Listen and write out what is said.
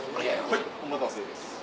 はいお待たせです。